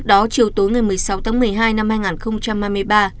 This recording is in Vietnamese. đó chiều tối ngày một mươi sáu tháng một mươi hai năm hai nghìn hai mươi ba